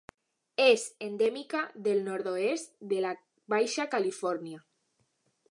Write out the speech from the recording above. És endèmica del nord-oest de la Baixa Califòrnia.